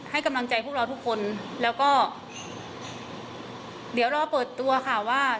ให้กำลังใจพวกเราทุกคนแล้วก็เดี๋ยวรอเปิดตัวค่ะว่า